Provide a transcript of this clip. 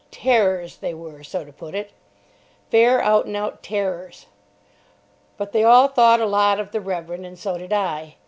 Terrors they were, so to put it. Fair out and out terrors. But they all thought a lot of the Reverend, and so did I.